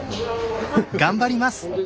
頑張ります。